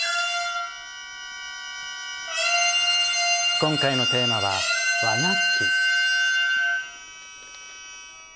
今回のテーマは「和楽器」。